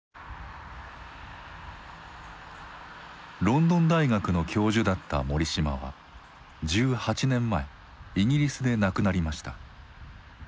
ロンドン大学の教授だった森嶋は１８年前イギリスで亡くなりました。